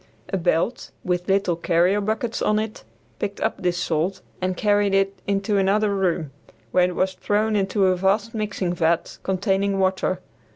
A belt with little carrier buckets on it picked up this salt and carried it into another room, where it was thrown into a vast mixing vat containing water.